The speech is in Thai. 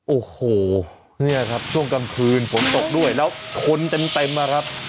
โอ้โหเนี่ยครับช่วงกลางคืนฝนตกด้วยแล้วชนเต็มนะครับ